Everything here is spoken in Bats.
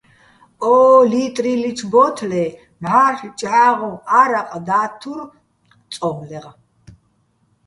ო́ ლიტრილიჩო̆ ბო́თლე მჵარ'ლ ჭჵა́ღოჼ ა́რაყ და́თთურ "წო́მლეღ".